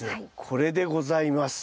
これでございます。